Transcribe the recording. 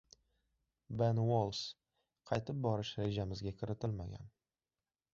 Ben Uolles «Qaytib borish rejamizga kiritilmagan»